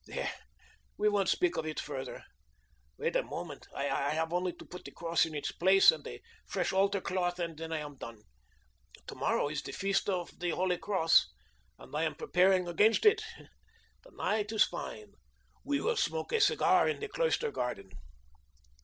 There, we won't speak of it further. Wait for me a moment. I have only to put the cross in its place, and a fresh altar cloth, and then I am done. To morrow is the feast of The Holy Cross, and I am preparing against it. The night is fine. We will smoke a cigar in the cloister garden."